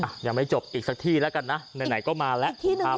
อ่ะยังไม่จบอีกสักที่แล้วกันนะไหนไหนก็มาแล้วอีกที่หนึ่ง